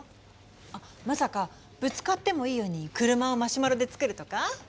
あっまさかぶつかってもいいように車をマシュマロで作るとか？